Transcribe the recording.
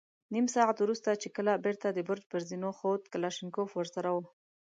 نيم ساعت وروسته چې کله بېرته د برج پر زينو خوت، کلاشينکوف ور سره و.